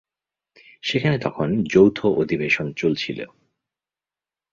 সেখানে তখন যৌথ অধিবেশন চলছিল।